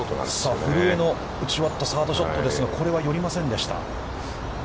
古江の打ち終わったサードショットですが、これは寄りませんでした。